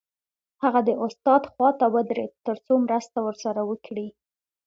هغه د استاد خواته ودرېد تر څو مرسته ورسره وکړي